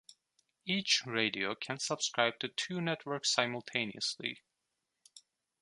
Each radio can subscribe to two networks simultaneously.